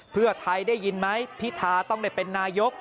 เพื่อไทยได้ยินไหมพิธาต้องได้เป็นนายก